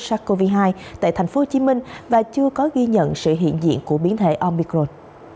sars cov hai tại tp hcm và chưa có ghi nhận sự hiện diện của biến thể ormicron